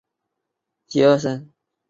下面是文件压缩软件的不完全列表。